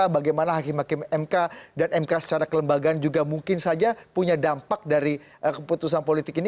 bagaimana hakim hakim mk dan mk secara kelembagaan juga mungkin saja punya dampak dari keputusan politik ini